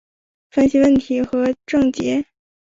分析问题和症结